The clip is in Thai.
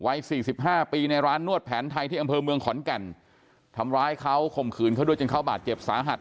สี่สิบห้าปีในร้านนวดแผนไทยที่อำเภอเมืองขอนแก่นทำร้ายเขาข่มขืนเขาด้วยจนเขาบาดเจ็บสาหัส